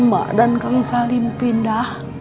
emak dan kang salim pindah